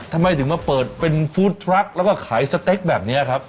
ทำไมถึงมาเปิดเป็นฟู้ดทรัคแล้วก็ขายสเต็กแบบนี้ครับ